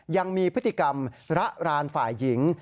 ยังมีพฤติกรรมระรานฝ่ายหญิง